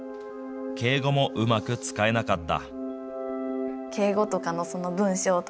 敬語もうまく使えなかった。